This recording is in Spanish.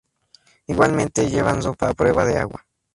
Igualmente llevan ropa a prueba de agua.